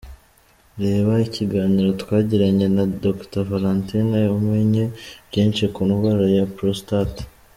Reba ikiganiro twagiranye na Dr Valentine umenye byinshi ku ndwara ya Prostate.